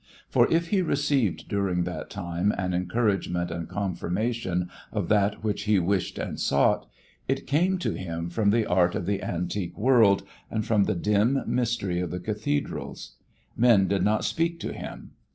For if he received during that time an encouragement and confirmation of that which he wished and sought, it came to him from the art of the antique world and from the dim mystery of the cathedrals. Men did not speak to him.